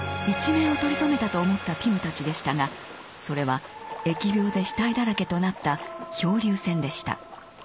一命を取り留めたと思ったピムたちでしたがそれは疫病で死体だらけとなった漂流船でした。